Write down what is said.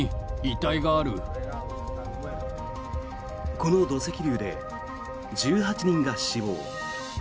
この土石流で１８人が死亡。